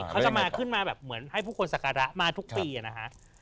เขาจะมาขึ้นมาแบบเหมือนให้ผู้คนสักการะมาทุกปีนะฮะ